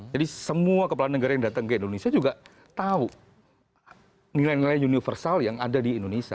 jadi semua kepala negara yang datang ke indonesia juga tahu nilai nilai universal yang ada di indonesia